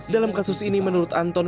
dalam kasus ini menurut anton